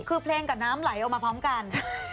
คือเพลงกับน้ำไหลออกมาพร้อมกัน